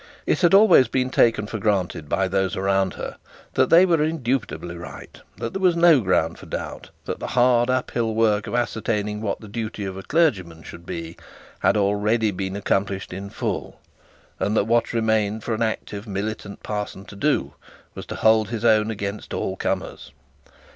It had always been taken for granted by those around her that they were indubitably right, that there was no ground for doubt, that the hard uphill work of ascertaining what the duty of a clergyman should be had been already accomplished in full; and that what remained for an active militant parson to do, was to hold his own against all comers.